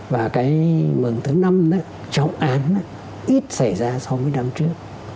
và cái mừng thứ năm đó trọng án ít xảy ra so với năm trước